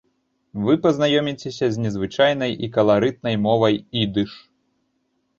Вы пазнаёміцеся з незвычайнай і каларытнай мовай ідыш.